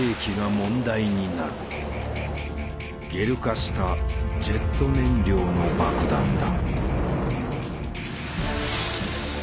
ゲル化したジェット燃料の爆弾だ。